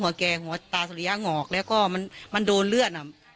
แกหัวตาสุริยะหงอกแล้วก็มันโดนเลือดอ่ะ